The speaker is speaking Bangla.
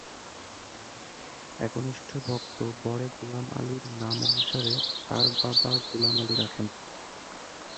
একনিষ্ঠ ভক্ত বড়ে গুলাম আলীর নাম অনুসরণে তার বাবা গুলাম আলী রাখেন।